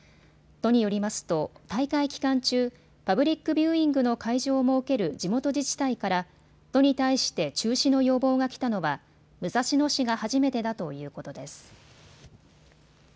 都によりますと大会期間中、パブリックビューイングの会場を設ける地元自治体から都に対して中止の要望が来たのは武蔵野市が初めてだということです。